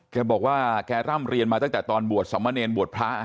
แกบอกว่าแกร่ำเรียนมาตั้งแต่ตอนบวชสมเนรบวชพระ